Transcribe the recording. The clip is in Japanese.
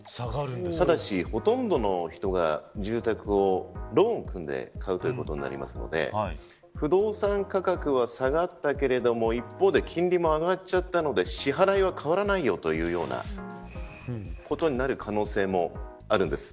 ただし、ほとんどの人が住宅をローンを組んで買うということになるので不動産価格は下がったけれども一方で金利も上がっちゃったので支払いは変わらないよというようなことになる可能性もあるんです。